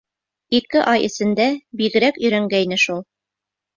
Ике ай эсендә бигерәк өйрәнгәйне шул.